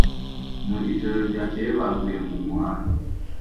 Mu ijoro ryakeye baguye mu muhanda